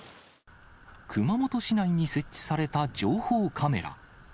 熊本市内に設置された情報カメラ。